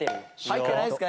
入ってないですか？